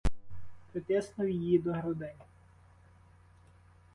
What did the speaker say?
Притиснув її до грудей.